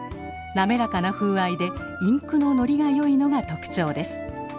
滑らかな風合いでインクの乗りがよいのが特徴です。